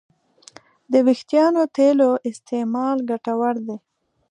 د وېښتیانو تېلو استعمال ګټور دی.